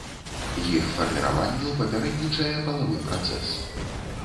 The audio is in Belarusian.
Іх фарміраванню папярэднічае палавы працэс.